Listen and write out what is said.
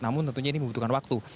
namun tentunya ini membutuhkan waktu